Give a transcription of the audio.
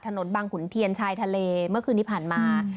บางขุนเทียนชายทะเลเมื่อคืนที่ผ่านมา